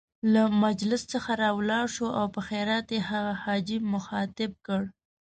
له مجلس څخه را ولاړ شو او په حيرت يې هغه حاجي مخاطب کړ.